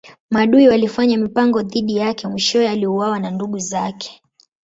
Maadui walifanya mipango dhidi yake mwishowe aliuawa na ndugu zake.